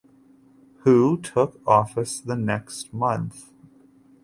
Hou took office the next month.